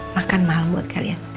makan malam buat kalian